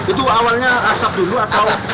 itu awalnya asap dulu atau